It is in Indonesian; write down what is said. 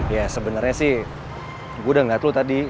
ya sebenernya sih gue udah ngeliat lo tadi